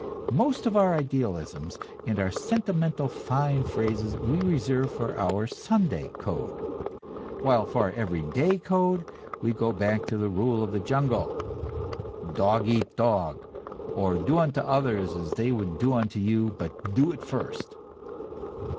Most of our idealisms and our sentimental fine phrases we reserve for our Sunday code, while for our every day code we go back to the rule of the jungle: "Dog eat dog," or "Do unto others as they would do unto you, but do it first."